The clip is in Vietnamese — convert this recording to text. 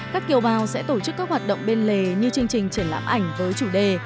các kiều bào sẽ tổ chức các hoạt động bên lề như chương trình triển lãm ảnh với chủ đề